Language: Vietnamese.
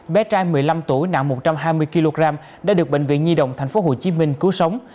bé trai một mươi năm tuổi nặng một trăm hai mươi kg đã được bệnh viện nhi đồng tp hcm cứu sống